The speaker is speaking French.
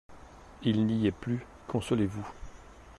Il n’y est plus ! consolez-vous !